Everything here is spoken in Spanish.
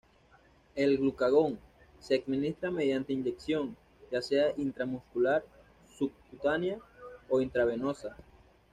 El glucagón se administra mediante inyección, ya sea intramuscular, subcutánea o intravenosa.